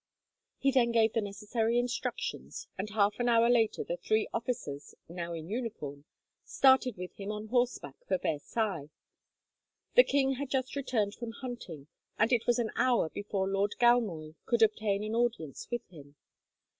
He then gave the necessary instructions, and half an hour later the three officers, now in uniform, started with him on horseback for Versailles. The king had just returned from hunting, and it was an hour before Lord Galmoy could obtain an audience with him.